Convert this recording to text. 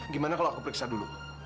gimana kalau aku periksa dulu